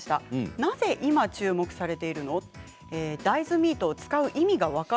なぜ今注目されているの？